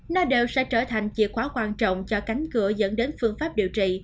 nó đều sẽ trở thành chìa khóa quan trọng cho cánh cửa dẫn đến phương pháp điều trị